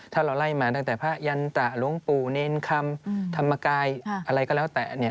ถ้าเราไล่มาตั้งแต่พระยันตะหลวงปู่เนรคำธรรมกายอะไรก็แล้วแต่